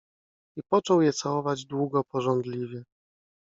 I począł je całować - długo pożądliwie